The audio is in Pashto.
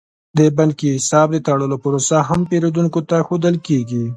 د بانکي حساب د تړلو پروسه هم پیرودونکو ته ښودل کیږي.